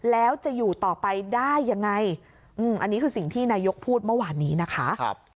แล้วจะอยู่ต่อไปได้ยังไงอันนี้คือสิ่งที่นายกพูดเมื่อวานนี้นะคะ